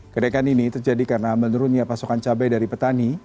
kenaikan ini terjadi karena menurunnya pasokan cabai dari petani